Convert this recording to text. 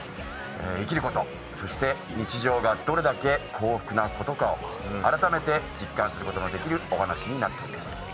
生きること、そして日常がどれだけ幸福なことかを改めて実感することのできるお話になっています。